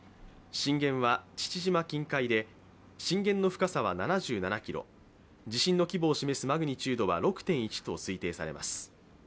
震源は父島近海で震源の深さは７７ｋｍ、地震の規模を示すマグニチュードは６．１と推定されます。